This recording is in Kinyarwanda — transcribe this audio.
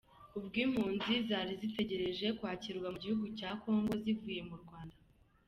Ubwo impunzi zari zitegereje kwakirwa mu gihugu cya Congo zivuye mu Rwanda.